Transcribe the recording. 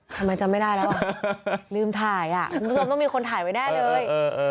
ทำไมจำไม่ได้แล้วลืมถ่ายอ่ะมันต้องมีคนถ่ายไว้แน่เลย